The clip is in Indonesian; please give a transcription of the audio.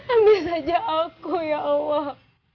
ambil saja aku ya allah